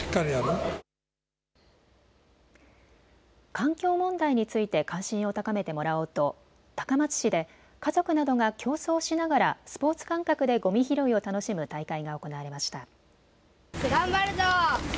環境問題について関心を高めてもらおうと高松市で家族などが競争しながらスポーツ感覚でごみ拾いを楽しむ大会が行われました。